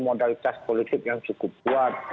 modalitas politik yang cukup kuat